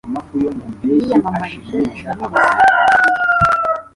Yiyamamarije guverineri wa Californiya